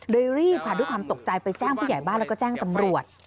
รีบค่ะด้วยความตกใจไปแจ้งผู้ใหญ่บ้านแล้วก็แจ้งตำรวจ